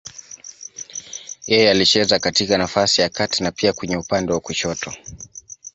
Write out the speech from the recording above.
Yeye alicheza katika nafasi ya kati na pia kwenye upande wa kushoto.